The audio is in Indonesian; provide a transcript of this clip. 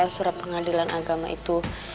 surat pengadilan agama itu